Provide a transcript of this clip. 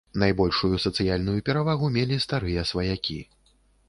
Найбольшую сацыяльную перавагу мелі старыя сваякі.